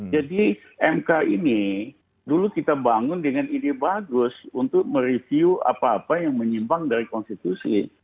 jadi mk ini dulu kita bangun dengan ide bagus untuk mereview apa apa yang menyimbang dari konstitusi